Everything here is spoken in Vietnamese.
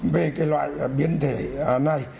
về cái loại biến thể này